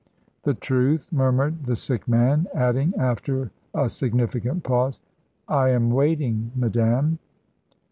"The truth," murmured the sick man; adding, after a significant pause, "I am waiting, madame."